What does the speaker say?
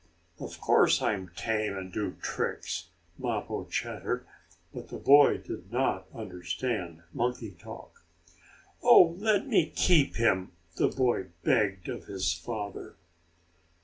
"Of course I'm tame and do tricks!" Mappo chattered, but the boy did not understand monkey talk. "Oh, let me keep him!" the boy begged of his father.